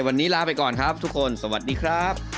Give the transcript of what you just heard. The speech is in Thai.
วันนี้ลาไปก่อนครับทุกคนสวัสดีครับ